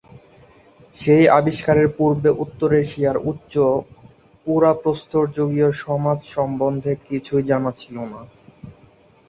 সেই আবিষ্কারের পূর্বে উত্তর এশিয়ার উচ্চ পুরা প্রস্তরযুগীয় সমাজ সম্বন্ধে কিছুই জানা ছিল না।